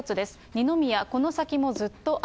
二宮、この先もずっと嵐。